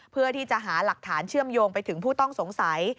เพื่อที่จะหาหลักฐานเชื่อมโยงไปถึงผู้ต้องสงสัย